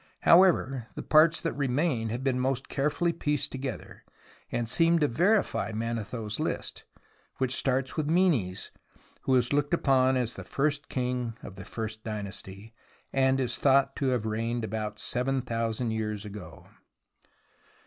However, the parts that remain have been most carefully pieced together, and seem to verify Manetho's list, which starts with Menes, who is looked upon as the first king of the First Dynasty, and is thought to have reigned about seven thousand years ago.